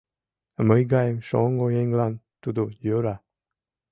— Мый гаем шоҥго еҥлан тудо йӧра.